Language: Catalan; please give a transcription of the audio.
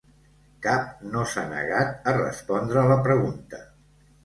Cap no s’ha negat a respondre la pregunta.